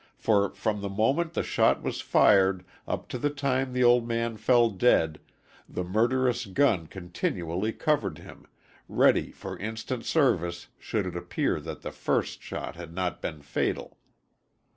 For from the moment the shot was fired up to the time the old man fell dead, the murderous gun continually covered him, ready for instant service should it appear that the first shot had not been fatal.